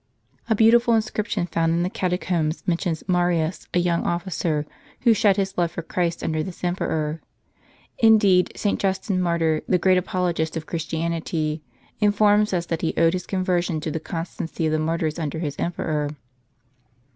A beautiful inscription found in the catacombs mentions Marius, a young officer, who shed his w blood for Christ under this emperor.* Indeed, St. Justin Martyr, the great apologist of Christianity, informs us that he owed his conversion to the constancy of the martyrs under this emperor.